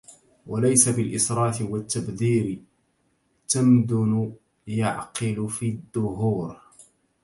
وليس بالإسراف والتبذيرِ تمدن يعقل في الدهورِ